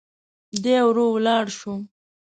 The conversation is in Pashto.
دی ورو ولاړ شو.